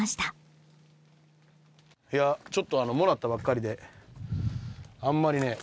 いやちょっともらったばっかりであんまりね